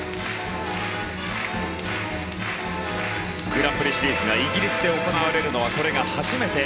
グランプリシリーズがイギリスで行われるのはこれが初めて。